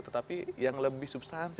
tetapi yang lebih substansi